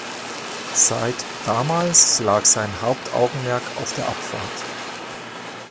Seit damals lag sein Hauptaugenmerk auf der Abfahrt.